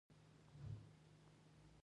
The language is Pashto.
د هندي ټوکرو د وادراتو مخه ونیسي.